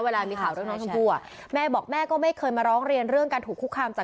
เวลามีข่าวเรื่องน้องชมพู่อ่ะแม่บอกแม่ก็ไม่เคยมาร้องเรียนเรื่องการถูกคุกคามจาก